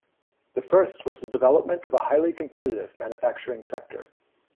The first was the development of a highly competitive manufacturing sector.